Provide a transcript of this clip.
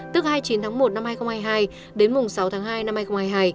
tức hai mươi chín tháng một năm hai nghìn hai mươi hai đến mùng sáu tháng hai năm hai nghìn hai mươi hai